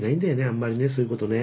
あんまりねそういうことね。